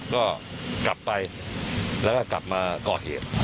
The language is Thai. ก็กลับไปแล้วก็กลับมาก่อเหตุ